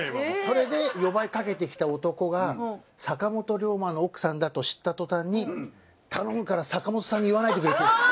それで夜這いかけてきた男が坂本龍馬の奥さんだと知った途端に「頼むから坂本さんに言わないでくれ」って言うんです。